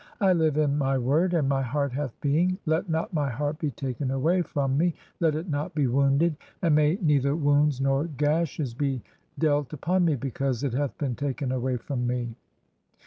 I live in my word, and "my heart hath being. Let not my heart be taken away (5) from "me, let it not be wounded, and may neither wounds nor gashes "be dealt upon me because it hath been taken away from me.